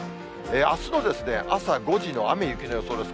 あすの朝５時の雨、雪の予想です。